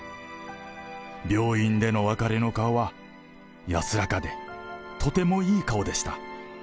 病院での別れの顔は、安らかで、とてもいい顔でした。